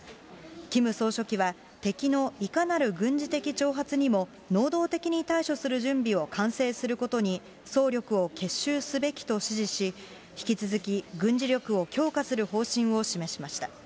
キム総書記は敵のいかなる軍事的挑発にも、能動的に対処する準備を完成することに総力を結集すべきと指示し、引き続き、軍事力を強化する方針を示しました。